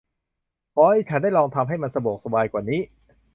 ขอให้ฉันได้ลองทำให้มันสะดวกสบายกว่านี้